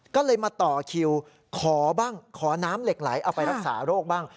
ก็เลยมาต่อคิวขอบ้างขอน้ำเหล็กไหลเอาไปรักษาโรคบ้าง